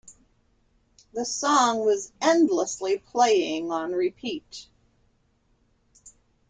The song was endlessly playing on repeat.